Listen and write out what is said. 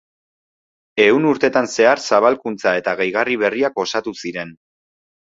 Ehun urtetan zehar zabalkuntza eta gehigarri berriak osatu ziren.